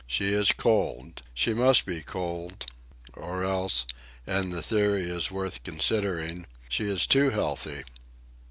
She is cold. She must be cold ... Or else, and the theory is worth considering, she is too healthy.